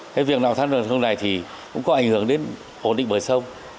cái việc nạo vét luồng lạnh đối với dòng sông này thì cũng có ảnh hưởng đến ổn định bờ sông